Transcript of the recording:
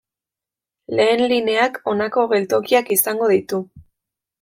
Lehen lineak honako geltokiak izango ditu.